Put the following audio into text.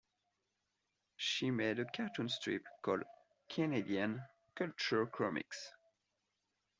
She made a cartoon strip called "Kanadian Kultchur Komics".